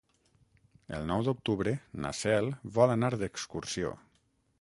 El nou d'octubre na Cel vol anar d'excursió.